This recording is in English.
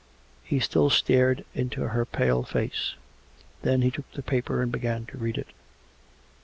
He still stared into her pale face. Then he took the paper and began to read it.